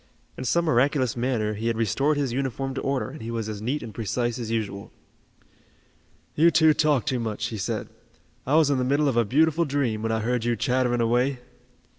In some miraculous manner he had restored his uniform to order and he was as neat and precise as usual. "You two talk too much," he said. "I was in the middle of a beautiful dream, when I heard you chattering away."